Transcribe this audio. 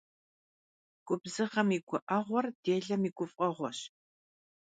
Губзыгъэм и гуӀэгъуэр делэм и гуфӀэгъуэщ.